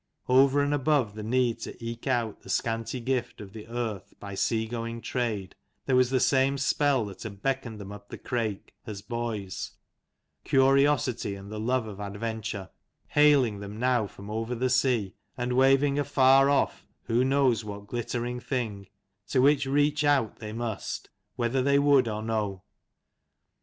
Over and above the need to eke out the scanty gift of the earth by sea going trade, there was the same spell that had beckoned them up the Crake, as boys, curiosity, and the love of adventure, hailing them now from over sea, and waving afar off who knows what glittering thing, to which reach out they must, whether they would or no.